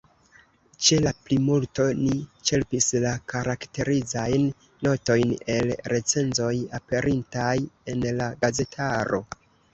Ĉe la plimulto ni ĉerpis la karakterizajn notojn el recenzoj, aperintaj en la gazetaro.